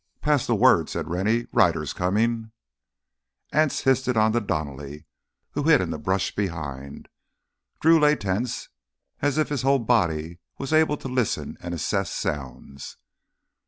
"Pass the word," said Rennie. "Riders coming." Anse hissed it on to Donally, who hid in the brush behind. Drew lay tense, as if his whole body was able to listen and assess sounds.